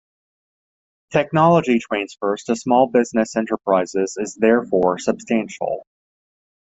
Technology transfers to small-business-enterprises is therefore substantial.